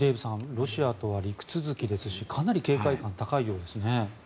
ロシアとは陸続きですしかなり警戒感、高いようですね。